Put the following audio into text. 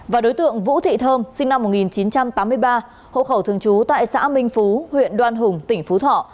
và đối tượng vũ thị thơm sinh năm một nghìn chín trăm tám mươi ba hộ khẩu thường trú tại xã minh phú huyện đoan hùng tỉnh phú thọ